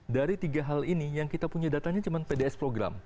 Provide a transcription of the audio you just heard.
dari tiga hal ini yang kita punya datanya cuma pds program